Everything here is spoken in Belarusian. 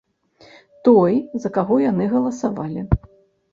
Той, за каго яны галасавалі.